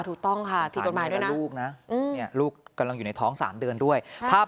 ถูกต้องค่ะผิดกฎหมายด้วยนะลูกนะเนี่ยลูกกำลังอยู่ในท้อง๓เดือนด้วยภาพ